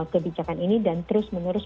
kebijakan ini dan terus menerus